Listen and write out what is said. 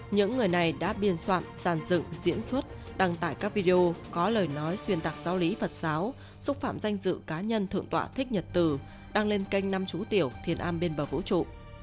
những người này đã biên soạn giàn dựng diễn xuất đăng tải các video có lời nói xuyên tạc giáo lý phật giáo xúc phạm danh dự cá nhân thượng tọa thích nhật từ đăng lên kênh năm chú tiểu thiền a bên bờ vũ trụ